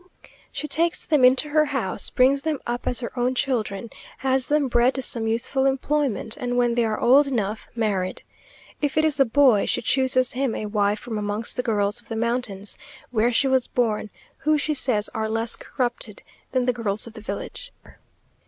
She takes them into her house, brings them up as her own children, has them bred to some useful employment, and when they are old enough, married. If it is a boy, she chooses him a wife from amongst the girls of the mountains, where she was born, who she says are "less corrupted" than the girls of the village.